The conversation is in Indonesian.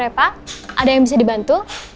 maaf ya pak ada yang bisa dibantu